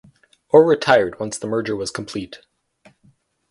Orr retired once the merger was complete.